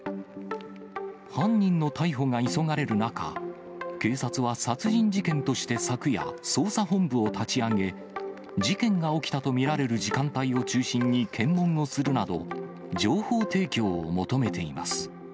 犯人の逮捕が急がれる中、警察は、殺人事件として昨夜、捜査本部を立ち上げ、事件が起きたと見られる時間帯を中心に、検問をするなど、情報提供を求めています。